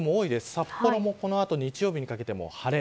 札幌もこの後日曜日にかけて晴れ。